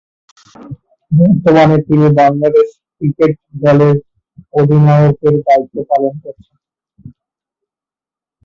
বর্তমানে তিনি বাংলাদেশ ক্রিকেট দলের অধিনায়কের দায়িত্ব পালন করছেন।